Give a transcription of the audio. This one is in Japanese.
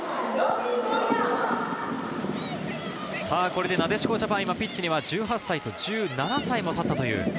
これでなでしこジャパン、ピッチには１８歳と１７歳が立ちました。